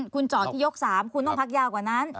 คุณจอดที่ยก๓คุณต้องพักยาวกว่านั้น